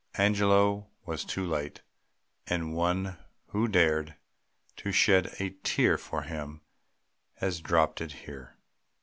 Angelo was too late. And one who dared To shed a tear for him, has dropped it here.